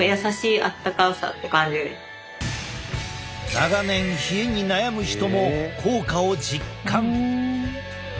長年冷えに悩む人も効果を実感。